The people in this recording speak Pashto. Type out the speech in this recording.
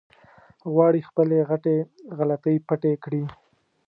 غواړي خپلې غټې غلطۍ پټې کړي.